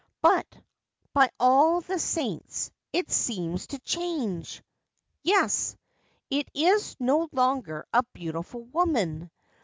But, by all the saints, it seems to change ! Yes : it is no longer a beautiful woman.